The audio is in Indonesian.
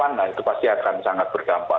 nah itu pasti akan sangat berdampak